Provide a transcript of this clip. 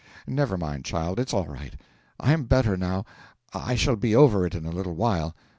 'Never mind, child, it's all right I am better now I shall be over it in a little while.